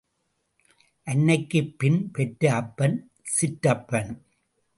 அன்னைக்குப் பின் பெற்ற அப்பன் சிற்றப்பன்.